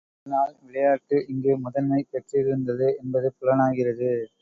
இதனால் விளையாட்டு இங்கு முதன்மை பெற்றிருந்தது என்பது புலனாகிறது.